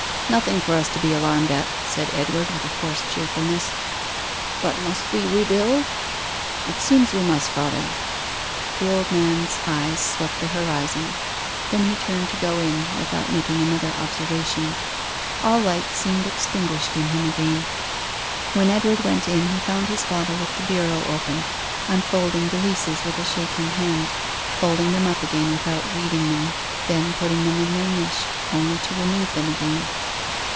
'Nothing for us to be alarmed at,' said Edward, with a forced cheerfulness. 'But must we rebuild?' 'It seems we must, father.' The old man's eyes swept the horizon, then he turned to go in, without making another observation. All light seemed extinguished in him again. When Edward went in he found his father with the bureau open, unfolding the leases with a shaking hand, folding them up again without reading them, then putting them in their niche only to remove them again.